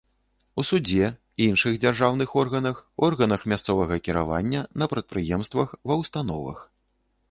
У судзе, іншых дзяржаўных органах, органах мясцовага кіравання, на прадпрыемствах, ва ўстановах.